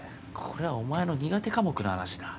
これはお前の苦手科目の話だ。